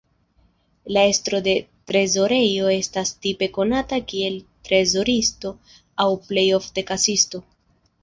La estro de trezorejo estas tipe konata kiel trezoristo aŭ plej ofte kasisto.